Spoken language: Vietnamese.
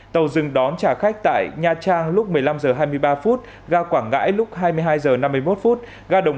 tàu dừng đón trả khách tại nha trang lúc một mươi năm giờ hai mươi ba phút gà quảng ngãi lúc hai mươi hai giờ năm mươi một phút gà đồng